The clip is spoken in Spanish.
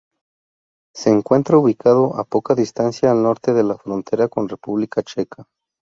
Se encuentra ubicado a poca distancia al norte de la frontera con República Checa.